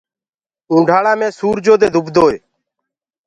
اونڍآݪآ مي سورجو دي دُبدوئي۔